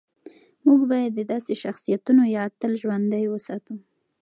موږ باید د داسې شخصیتونو یاد تل ژوندی وساتو.